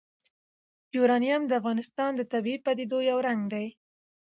یورانیم د افغانستان د طبیعي پدیدو یو رنګ دی.